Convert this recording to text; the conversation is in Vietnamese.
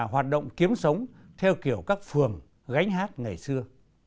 hoạt động kiếm sống theo kiểu các phường gánh hát ngày xưa